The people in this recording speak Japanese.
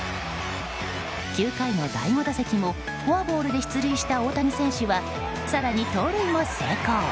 ９回の第５打席もフォアボールで出塁した大谷選手は、更に盗塁も成功。